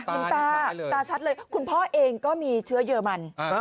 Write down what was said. ตาตาชัดเลยคุณพ่อเองก็มีเชื้อเยอรมัน